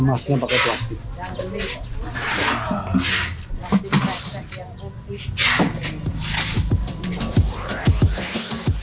memasnya pakai plastik